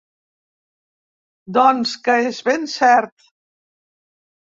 Doncs que és ben cert.